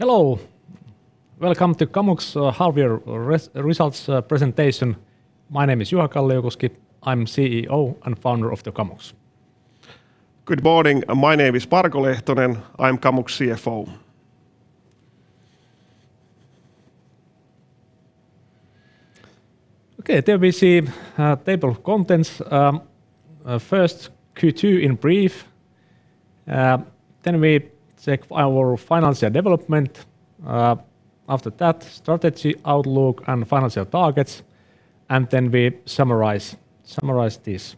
Hello. Welcome to Kamux half year results presentation. My name is Juha Kalliokoski. I'm CEO and Founder of the Kamux. Good morning. My name is Marko Lehtonen. I'm Kamux CFO. Okay, there we see a table of contents. First, Q2 in brief, then we check our financial development, after that, strategy, outlook and financial targets, and then we summarize this.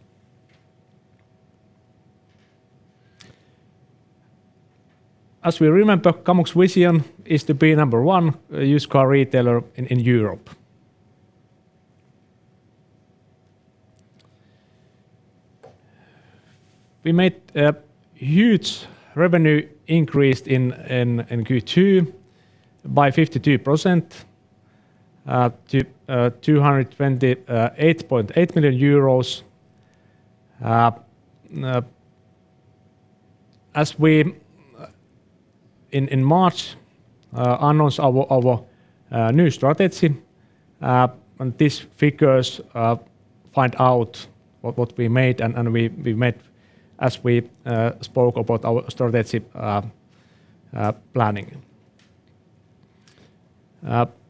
As we remember, Kamux vision is to be number one used car retailer in Europe. We made a huge revenue increase in Q2 by 52% to EUR 228.8 million. As we, in March, announced our new strategy, and these figures find out what we made as we spoke about our strategy planning.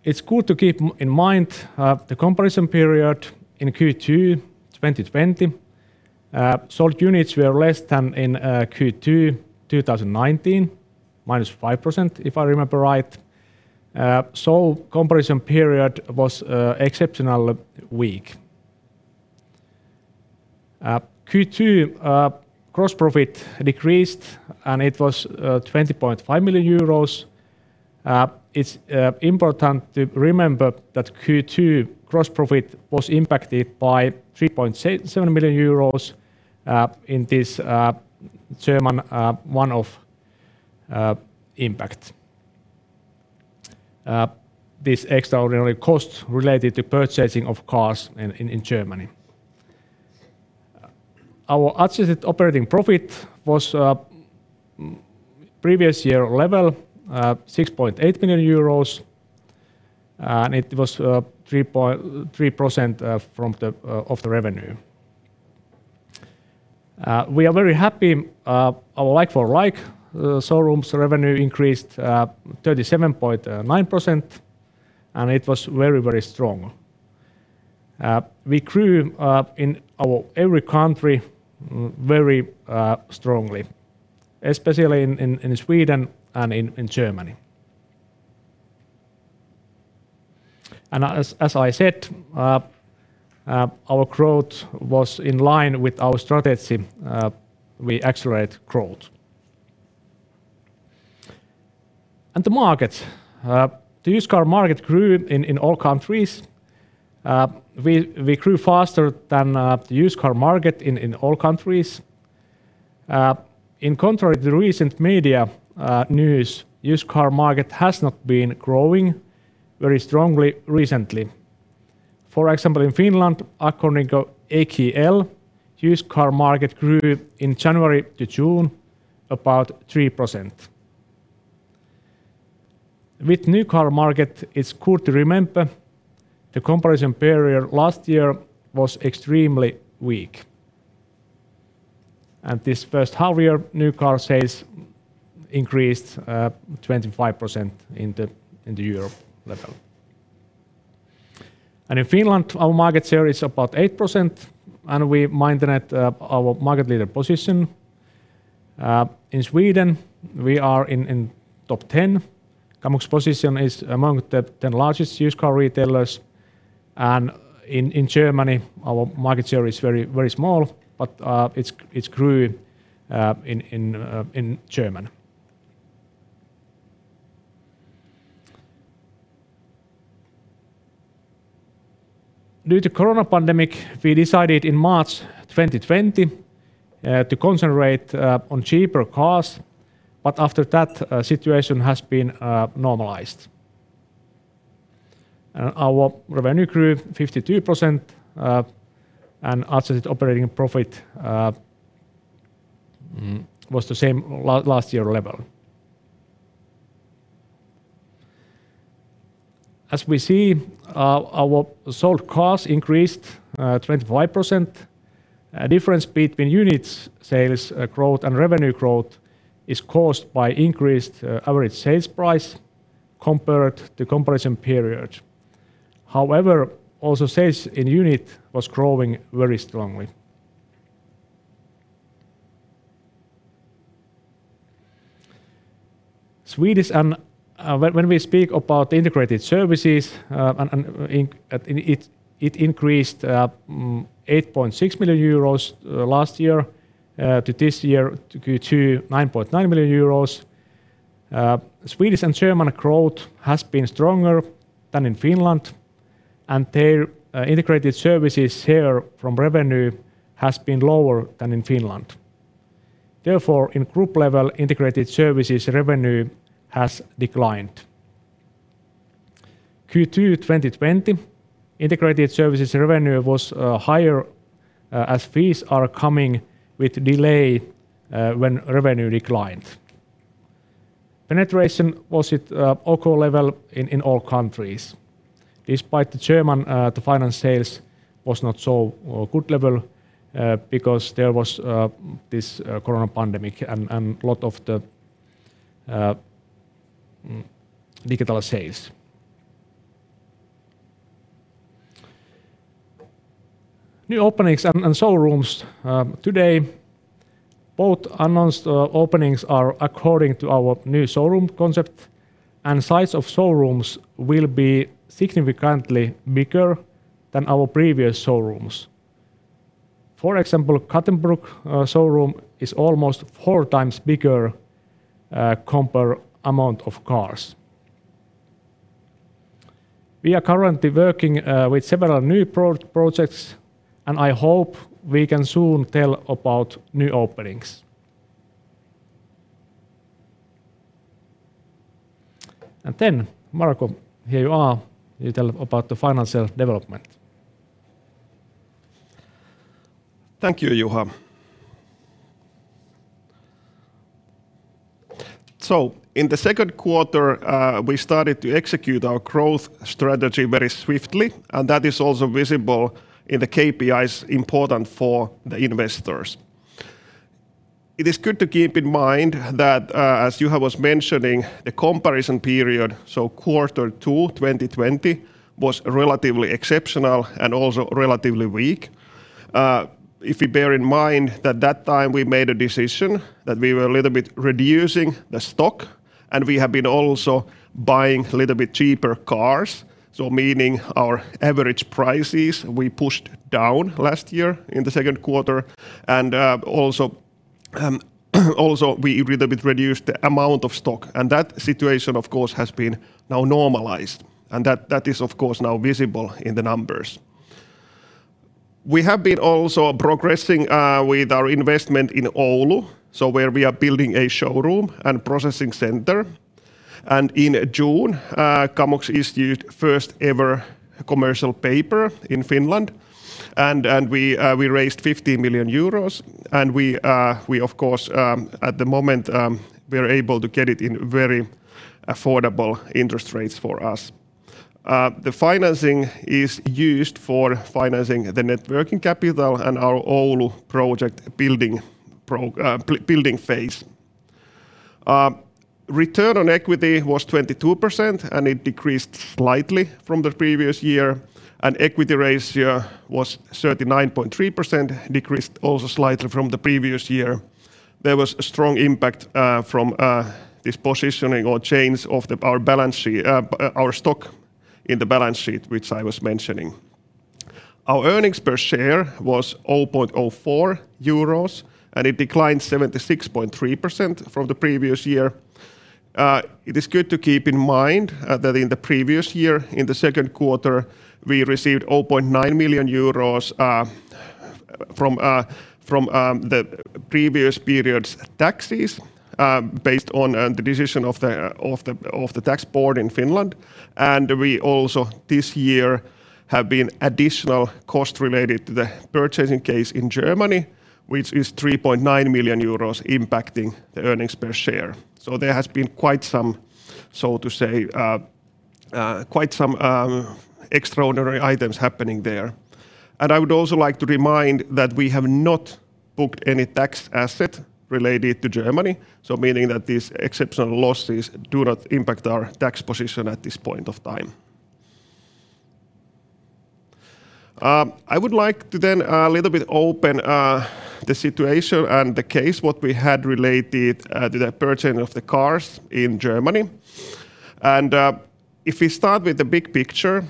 It's good to keep in mind the comparison period in Q2 2020, sold units were less than in Q2 2019, -5%, if I remember right. Comparison period was exceptional weak. Q2 gross profit decreased, and it was 20.5 million euros. It's important to remember that Q2 gross profit was impacted by 3.7 million euros in this German one-off impact. This extraordinary cost related to purchasing of cars in Germany. Our adjusted operating profit was previous year level, 6.8 million euros, and it was 3% of the revenue. We are very happy our like-for-like showrooms revenue increased 37.9%. It was very strong. We grew in our every country very strongly, especially in Sweden and in Germany. As I said, our growth was in line with our strategy. We accelerate growth. The used car market grew in all countries. We grew faster than the used car market in all countries. In contrary to recent media news, used car market has not been growing very strongly recently. For example, in Finland, according to AKL, used car market grew in January to June about 3%. With new car market, it's good to remember the comparison period last year was extremely weak. This first half-year, new car sales increased 25% in the Europe level. In Finland, our market share is about 8%, and we maintain our market leader position. In Sweden, we are in top 10. Kamux position is among the 10 largest used car retailers, and in Germany, our market share is very small, but it grew in Germany. Due to corona pandemic, we decided in March 2020 to concentrate on cheaper cars, but after that situation has been normalized. Our revenue grew 52%, and adjusted operating profit was the same last year level. As we see, our sold cars increased 25%. Difference between units sales growth and revenue growth is caused by increased average sales price compared to comparison period. However, also sales in units was growing very strongly. When we speak about integrated services, it increased 8.6 million euros last year to this year to Q2 9.9 million euros. Swedish and German growth has been stronger than in Finland, and their integrated services share from revenue has been lower than in Finland. Therefore, in group level, integrated services revenue has declined. Q2 2020 integrated services revenue was higher, as fees are coming with delay when revenue declined. Penetration was at OK level in all countries. Despite Germany, the finance sales was not so good level because there was this corona pandemic and a lot of the digital sales. New openings and showrooms. Today, both announced openings are according to our new showroom concept, and size of showrooms will be significantly bigger than our previous showrooms. For example, Gothenburg showroom is almost four times bigger compare amount of cars. We are currently working with several new projects, and I hope we can soon tell about new openings. Marko, here you are. You tell about the financial development. Thank you, Juha. In the second quarter, we started to execute our growth strategy very swiftly, and that is also visible in the KPIs important for the investors. It is good to keep in mind that, as Juha was mentioning, the comparison period, so Q2 2020, was relatively exceptional and also relatively weak. If you bear in mind that that time we made a decision that we were a little bit reducing the stock, and we have been also buying a little bit cheaper cars, so meaning our average prices we pushed down last year in the second quarter and also we a little bit reduced the amount of stock. That situation, of course, has been now normalized, and that is, of course, now visible in the numbers. We have been also progressing with our investment in Oulu, so where we are building a showroom and processing center, and in June, Kamux issued first ever commercial paper in Finland. We raised 50 million euros. We, of course, at the moment, we are able to get it in very affordable interest rates for us. The financing is used for financing the net working capital and our Oulu project building phase. Return on equity was 22%, and it decreased slightly from the previous year, and equity ratio was 39.3%, decreased also slightly from the previous year. There was a strong impact from this positioning or change of our stock in the balance sheet, which I was mentioning. Our earnings per share was 0.04 euros, and it declined 76.3% from the previous year. It is good to keep in mind that in the previous year, in the second quarter, we received 0.9 million euros from the previous period's taxes based on the decision of the tax board in Finland. We also, this year, have been additional cost related to the purchasing case in Germany, which is 3.9 million euros impacting the earnings per share. There has been quite some extraordinary items happening there. I would also like to remind that we have not booked any tax asset related to Germany, meaning that these exceptional losses do not impact our tax position at this point of time. I would like to then a little bit open the situation and the case what we had related to the purchasing of the cars in Germany. If we start with the big picture,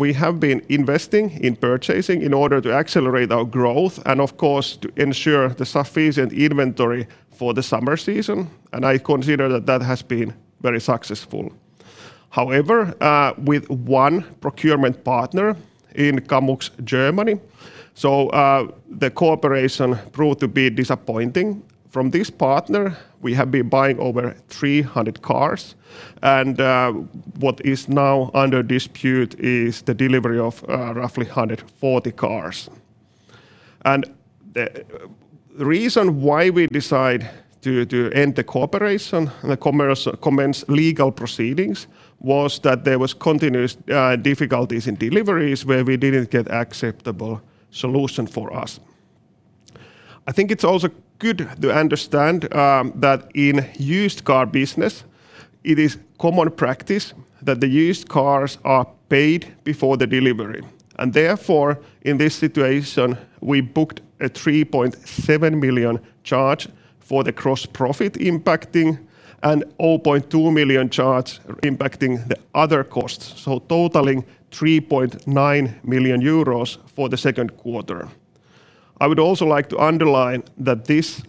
we have been investing in purchasing in order to accelerate our growth and of course, to ensure the sufficient inventory for the summer season, and I consider that that has been very successful. However, with one procurement partner in Kamux Germany, the cooperation proved to be disappointing. From this partner, we have been buying over 300 cars, what is now under dispute is the delivery of roughly 140 cars. The reason why we decide to end the cooperation and commence legal proceedings was that there was continuous difficulties in deliveries where we didn't get acceptable solution for us. I think it is also good to understand that in used car business, it is common practice that the used cars are paid before the delivery. Therefore, in this situation, we booked a 3.7 million charge for the gross profit impacting and 0.2 million charge impacting the other costs, so totaling 3.9 million euros for the second quarter. I would also like to underline that this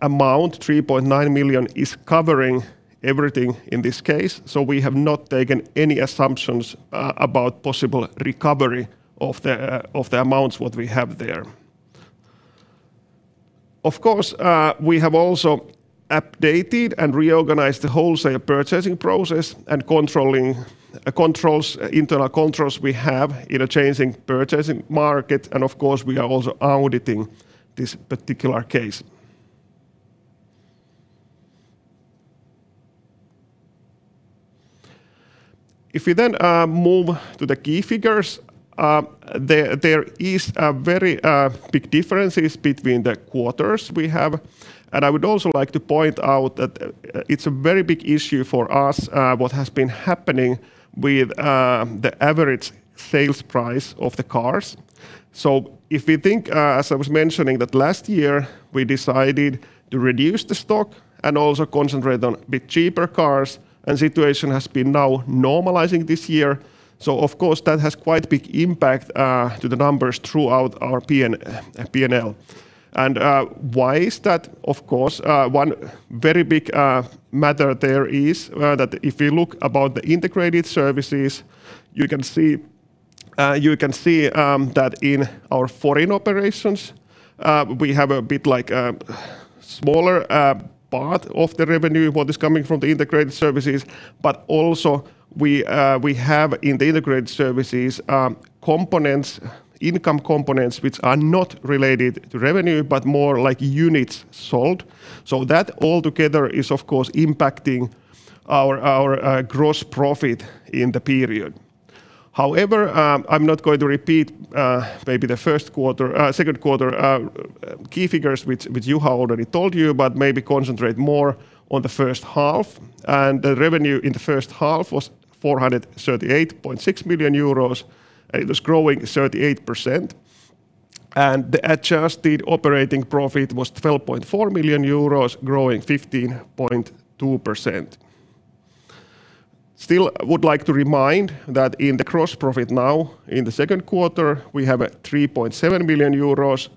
amount, 3.9 million, is covering everything in this case. We have not taken any assumptions about possible recovery of the amounts what we have there. Of course, we have also updated and reorganized the wholesale purchasing process and internal controls we have in a changing purchasing market. Of course, we are also auditing this particular case. If we then move to the key figures, there is very big differences between the quarters we have, and I would also like to point out that it's a very big issue for us what has been happening with the average sales price of the cars. If we think, as I was mentioning, that last year we decided to reduce the stock and also concentrate on a bit cheaper cars, and situation has been now normalizing this year, so of course, that has quite big impact to the numbers throughout our P&L. Why is that? Of course, one very big matter there is that if you look about the integrated services, you can see that in our foreign operations, we have a bit smaller part of the revenue, what is coming from the integrated services, but also we have in the integrated services, income components, which are not related to revenue, but more like units sold. That altogether is, of course, impacting our gross profit in the period. However, I'm not going to repeat maybe the second quarter key figures, which Juha already told you, but maybe concentrate more on the first half. The revenue in the first half was 438.6 million euros. It was growing 38%, and the adjusted operating profit was 12.4 million euros, growing 15.2%. I would like to remind that in the gross profit now, in the second quarter, we have 3.7 million euros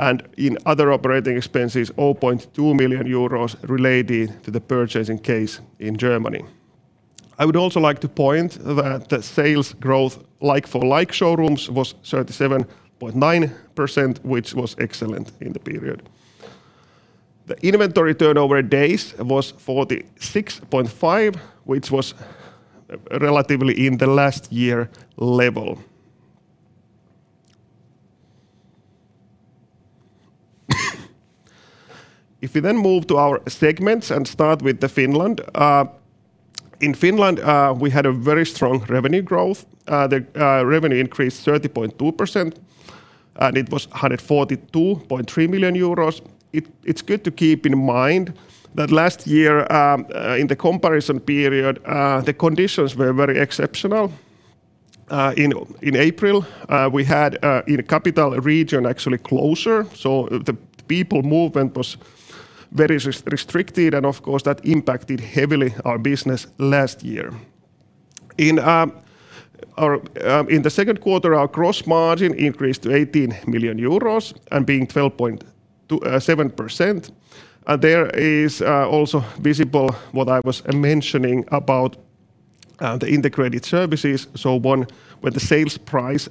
and in other operating expenses, 0.2 million euros related to the purchasing case in Germany. I would also like to point that the sales growth like-for-like showrooms was 37.9%, which was excellent in the period. The inventory turnover days was 46.5%, which was relatively in the last year level. If we move to our segments and start with Finland. In Finland, we had a very strong revenue growth. The revenue increased 30.2%, and it was 142.3 million euros. It's good to keep in mind that last year, in the comparison period, the conditions were very exceptional. In April, we had in capital region actually closer, so the people movement was very restricted, and of course, that impacted heavily our business last year. In the second quarter, our gross margin increased to 18 million euros and being 12.7%. There is also visible what I was mentioning about the integrated services. One where the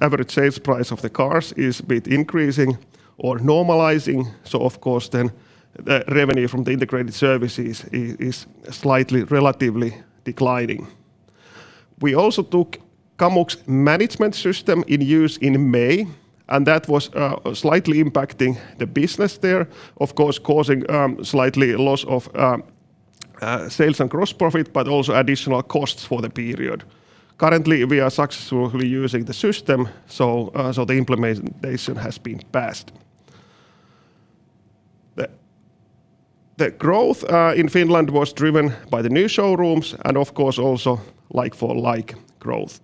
average sales price of the cars is a bit increasing or normalizing, so of course then, the revenue from the integrated services is slightly relatively declining. We also took Kamux Management System in use in May, and that was slightly impacting the business there, of course, causing slightly loss of sales and gross profit, but also additional costs for the period. Currently, we are successfully using the system, so the implementation has been passed. The growth in Finland was driven by the new showrooms and of course also like-for-like growth.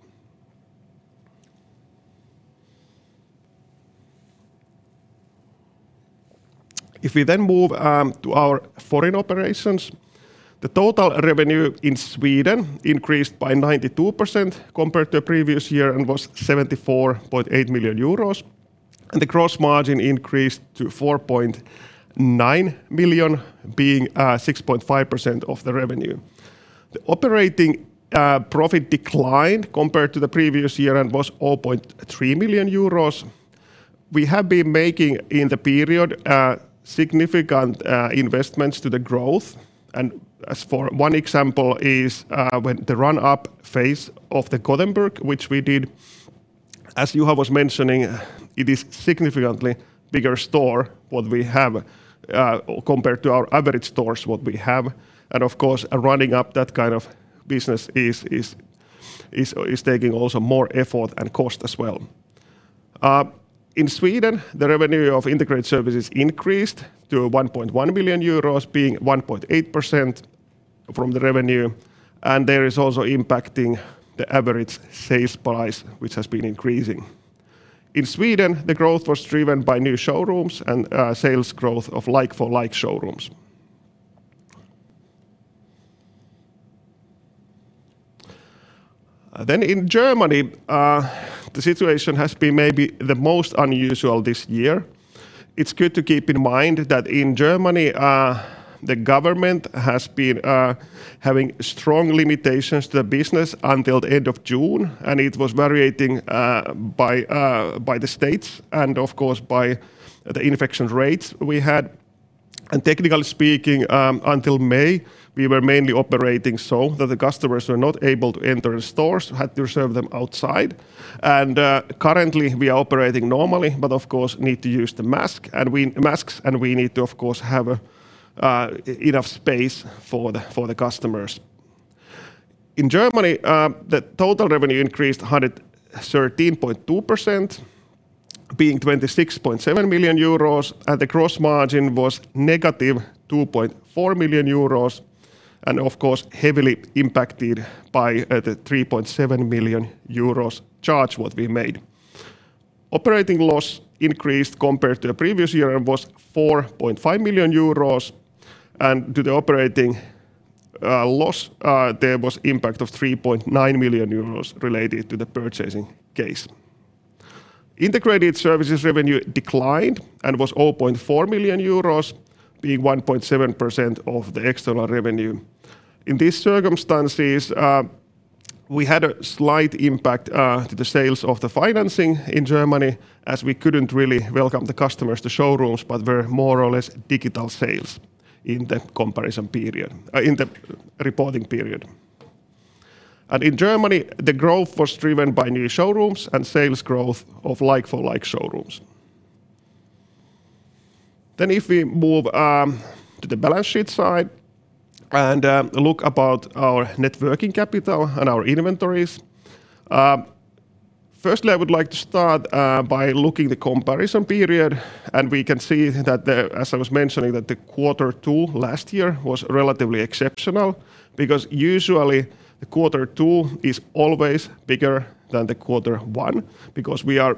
If we move to our foreign operations, the total revenue in Sweden increased by 92% compared to previous year and was 74.8 million euros. The gross margin increased to 4.9 million, being 6.5% of the revenue. The operating profit declined compared to the previous year and was 0.3 million euros. We have been making in the period significant investments to the growth. As for 1 example is when the run-up phase of the Gothenburg, which we did, as Juha was mentioning, it is significantly bigger store what we have compared to our average stores, what we have. Of course, running up that kind of business is taking also more effort and cost as well. In Sweden, the revenue of integrated services increased to 1.1 million euros, being 1.8% from the revenue. There is also impacting the average sales price, which has been increasing. In Sweden, the growth was driven by new showrooms and sales growth of like-for-like showrooms. In Germany, the situation has been maybe the most unusual this year. It's good to keep in mind that in Germany, the government has been having strong limitations to the business until the end of June, and it was varying by the states and of course by the infection rates we had. Technically speaking, until May, we were mainly operating so that the customers were not able to enter the stores, had to serve them outside. Currently we are operating normally, but of course, need to use the masks, and we need to, of course, have enough space for the customers. In Germany, the total revenue increased 113.2%, being 26.7 million euros, and the gross margin was negative 2.4 million euros and of course, heavily impacted by the 3.7 million euros charge that we made. Operating loss increased compared to the previous year and was 4.5 million euros and to the operating loss, there was impact of 3.9 million euros related to the purchasing case. Integrated services revenue declined and was 0.4 million euros, being 1.7% of the external revenue. In these circumstances, we had a slight impact to the sales of the financing in Germany as we couldn't really welcome the customers to showrooms, but were more or less digital sales in the reporting period. In Germany, the growth was driven by new showrooms and sales growth of like-for-like showrooms. If we move to the balance sheet side and look about our net working capital and our inventories. Firstly, I would like to start by looking the comparison period. We can see that the, as I was mentioning, that the Q2 last year was relatively exceptional because usually the Q2 is always bigger than the Q1 because we are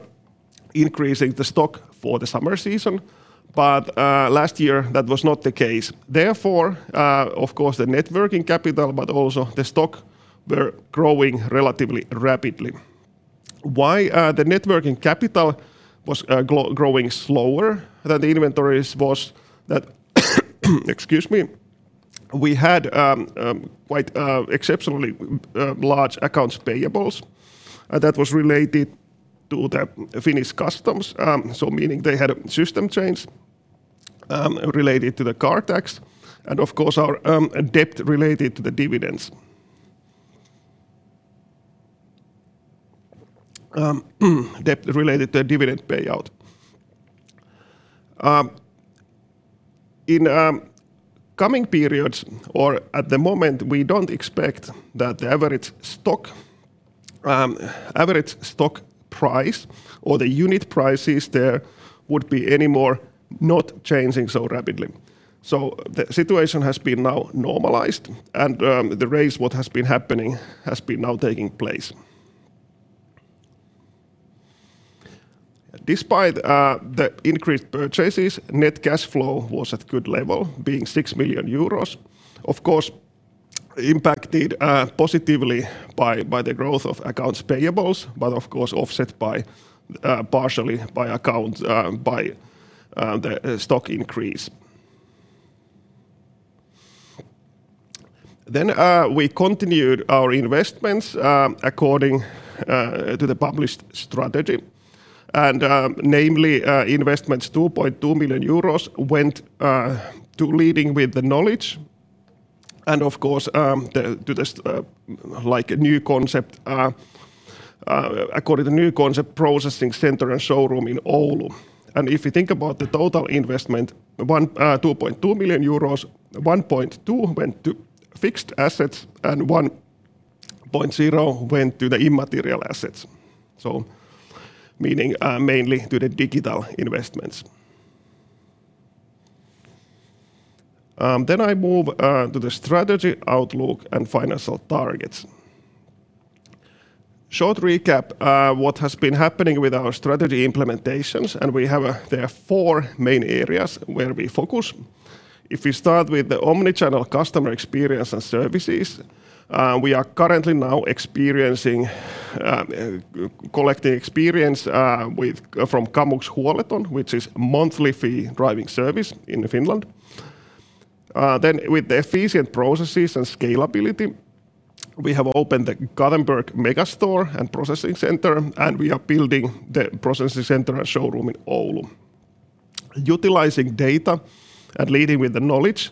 increasing the stock for the summer season. Last year that was not the case. Of course, the net working capital, but also the stock were growing relatively rapidly. Why the net working capital was growing slower than the inventories was that, excuse me, we had quite exceptionally large accounts payables that was related to the Finnish Customs, so meaning they had a system change related to the car tax and of course our debt related to the dividends. Debt related to dividend payout. In coming periods or at the moment, we don't expect that the average stock price or the unit prices there would be any more not changing so rapidly. The situation has been now normalized, and the rise what has been happening has been now taking place. Despite the increased purchases, net cash flow was at good level, being 6 million euros, of course, impacted positively by the growth of accounts payables, but of course offset partially by the stock increase. We continued our investments according to the published strategy and namely investments 2.2 million euros went to leading with the knowledge and of course, according to new concept processing center and showroom in Oulu. If you think about the total investment, 2.2 million euros, 1.2 went to fixed assets and 1.0 went to the immaterial assets, so meaning mainly to the digital investments. I move to the strategy outlook and financial targets. Short recap, what has been happening with our strategy implementations, there are 4 main areas where we focus. If we start with the omnichannel customer experience and services, we are currently now collecting experience from Kamux Huoleton, which is monthly fee driving service in Finland. With the efficient processes and scalability, we have opened the Gothenburg megastore and processing center, we are building the processing center and showroom in Oulu. Utilizing data and leading with the knowledge,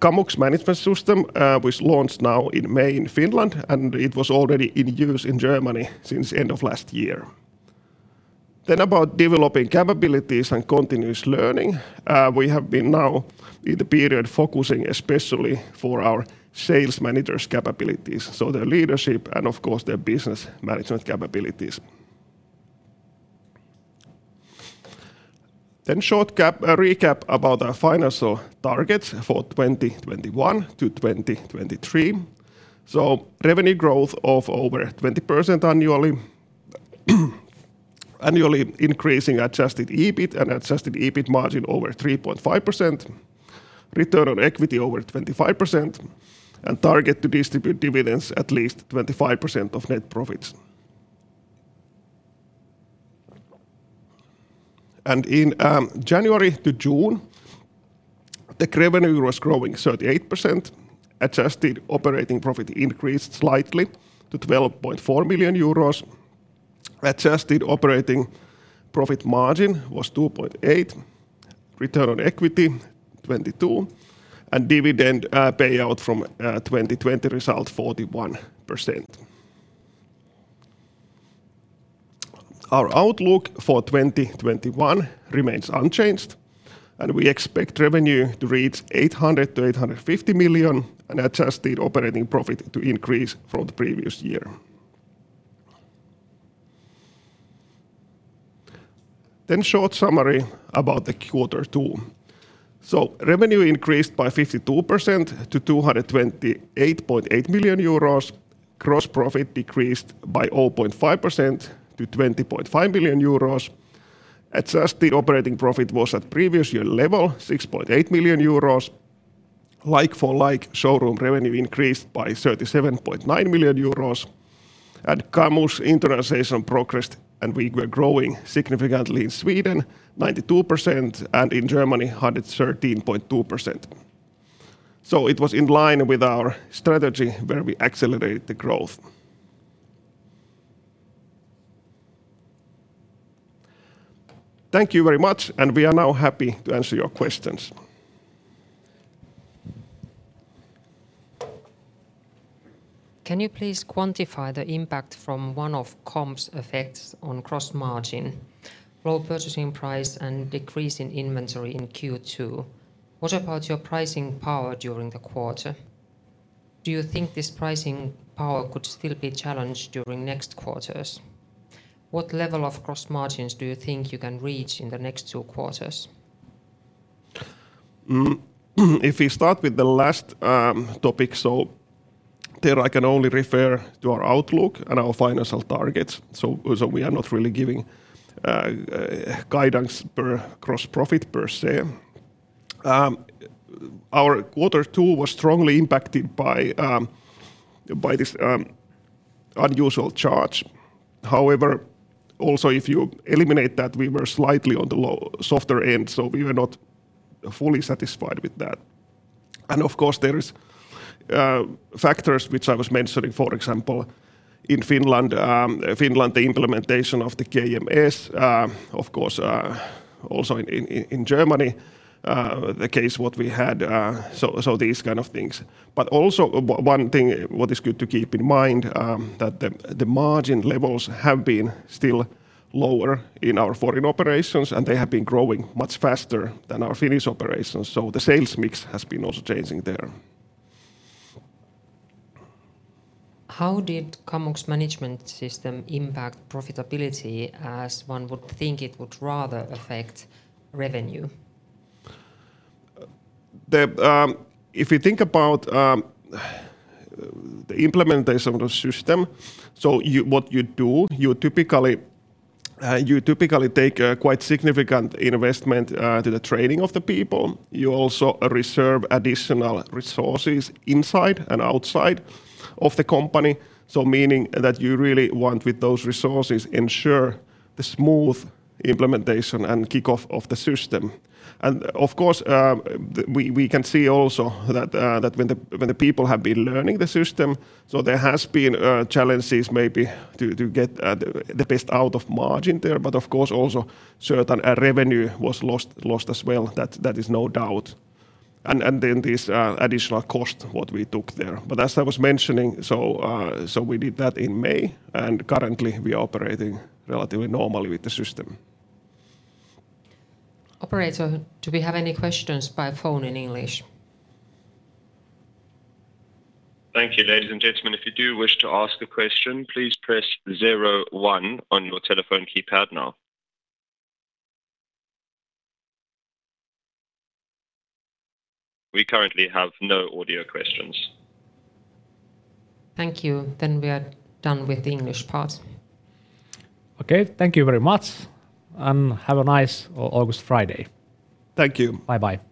Kamux Management System was launched now in May in Finland, it was already in use in Germany since the end of last year. About developing capabilities and continuous learning, we have been now in the period focusing especially for our sales managers' capabilities, so their leadership and of course their business management capabilities. Short recap about our financial targets for 2021-2023. Revenue growth of over 20% annually increasing adjusted EBIT and adjusted EBIT margin over 3.5%, return on equity over 25%, and target to distribute dividends at least 25% of net profits. In January-June, the revenue was growing 38%, adjusted EBIT increased slightly to 12.4 million euros. Adjusted EBIT margin was 2.8%, return on equity 22%, and dividend payout from 2020 result 41%. Our outlook for 2021 remains unchanged, we expect revenue to reach 800 million-850 million and adjusted EBIT to increase from the previous year. Short summary about the Q2. Revenue increased by 52% to 228.8 million euros. Gross profit decreased by 0.5% to 20.5 million euros. Adjusted EBIT was at previous year level, 6.8 million euros. Like-for-like showroom revenue increased by 37.9 million euros. Kamux internationalization progressed, and we were growing significantly in Sweden, 92%, and in Germany, 113.2%. It was in line with our strategy, where we accelerated the growth. Thank you very much, and we are now happy to answer your questions. Can you please quantify the impact from one-off comps effects on gross margin, raw purchasing price, and decrease in inventory in Q2? What about your pricing power during the quarter? Do you think this pricing power could still be challenged during next quarters? What level of gross margins do you think you can reach in the next two quarters? If we start with the last topic, there I can only refer to our outlook and our financial targets. We are not really giving guidance per gross profit per se. Our quarter two was strongly impacted by this unusual charge. However, also if you eliminate that, we were slightly on the lower end. We were not fully satisfied with that. Of course, there is factors which I was mentioning, for example, in Finland, the implementation of the KMS. Of course, also in Germany, the case what we had. These kind of things. Also one thing what is good to keep in mind, that the margin levels have been still lower in our foreign operations, and they have been growing much faster than our Finnish operations. The sales mix has been also changing there. How did Kamux Management System impact profitability, as one would think it would rather affect revenue? If you think about the implementation of the system, what you do, you typically take a quite significant investment to the training of the people. You also reserve additional resources inside and outside of the company, meaning that you really want with those resources ensure the smooth implementation and kickoff of the system. Of course, we can see also that when the people have been learning the system, there has been challenges maybe to get the best out of margin there. Of course, also certain revenue was lost as well. That is no doubt. This additional cost, what we took there. As I was mentioning, we did that in May, and currently, we are operating relatively normally with the system. Operator, do we have any questions by phone in English? Thank you, ladies and gentlemen. If you do wish to ask a question, please press zero one on your telephone keypad now. We currently have no audio questions. Thank you. We are done with the English part. Okay. Thank you very much, and have a nice August Friday. Thank you. Bye-bye.